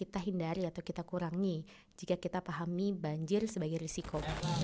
kita tidak bisa menghindari atau kita kurangi jika kita pahami banjir sebagai risiko